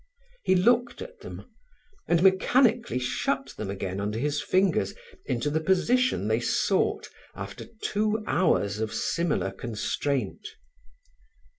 He looked at them, and mechanically shut them again under his fingers into the position they sought after two hours of similar constraint.